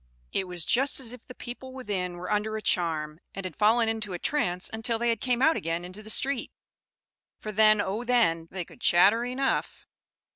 It was just as if the people within were under a charm, and had fallen into a trance till they came out again into the street; for then oh, then they could chatter enough.